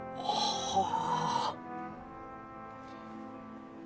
はあ。